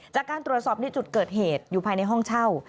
จากการตรวจสอบในจุดเกิดเหตุอยู่ภายในห้องเช่า